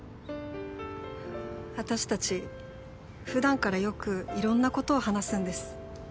私たち普段からよくいろんなことを話すんです。